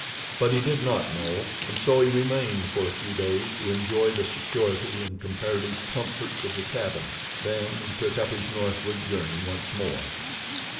But he did not know, and so he remained for a few days to enjoy the security and comparative comforts of the cabin. Then he took up his northward journey once more.